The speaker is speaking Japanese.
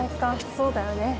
そうだよね。